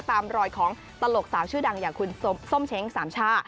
ตามรอยของตลกสาวชื่อดังอย่างคุณส้มเช้งสามช่า